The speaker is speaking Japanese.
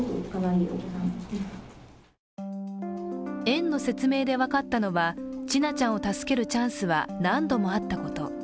園の説明で分かったのは、千奈ちゃんを助けるチャンスは何度もあったこと。